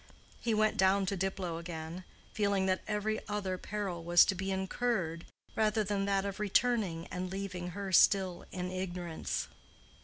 He went down to Diplow again, feeling that every other peril was to be incurred rather than that of returning and leaving her still in ignorance.